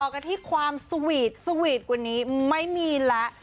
กันที่ความสวีทสวีทกว่านี้ไม่มีแล้ว